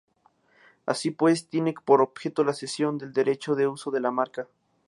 Así pues, tiene por objeto la cesión del derecho de uso de la marca.